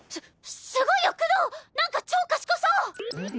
すすごいよクドー何か超賢そう！